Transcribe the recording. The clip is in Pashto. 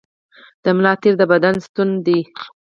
د ملا تیر د بدن ستون دی